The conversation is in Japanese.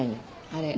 あれ。